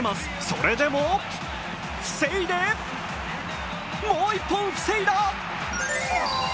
それでも防いで、もう一本防いだ！